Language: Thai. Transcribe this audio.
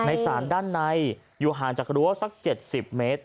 ในศาลด้านในอยู่ห่างจากรั้วสักเจ็ดสิบเมตร